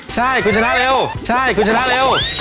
ใช่คุณชนะเร็วใช่คุณชนะเร็ว